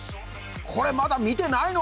これまだ見てないの？